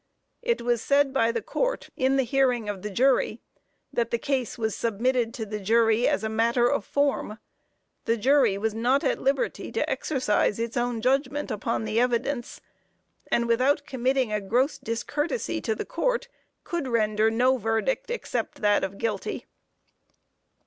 It was said by the Court in the hearing of the jury, that the case was submitted to the jury "as a matter of form." The jury was not at liberty to exercise its own judgment upon the evidence, and without committing a gross discourtesy to the Court, could render no verdict except that of guilty.